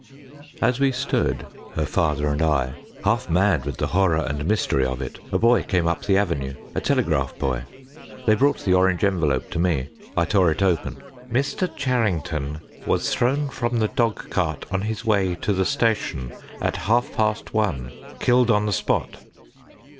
As we stood, her father and I, half mad with the horror and mystery of it, a boy came up the avenue a telegraph boy. They brought the orange envelope to me. I tore it open. "_Mr. Charrington was thrown from the dogcart on his way to the station at half past one. Killed on the spot!